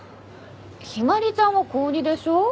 陽葵ちゃんは高２でしょ？